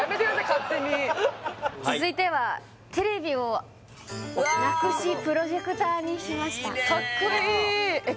勝手に続いてはテレビをなくしプロジェクターにしましたいいねカッコイイえっ